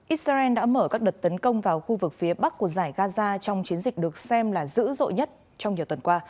israel đã mở các đợt tấn công vào khu vực phía bắc của giải gaza trong chiến dịch được xem là dữ dội nhất trong nhiều tuần qua